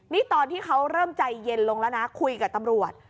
นี่ตอนที่เขาเริ่มใจเย็นลงแล้วนะคุยกับตำรวจ